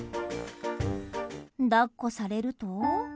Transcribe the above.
抱っこされると。